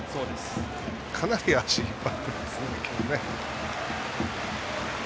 かなり足、引っ張られていますね。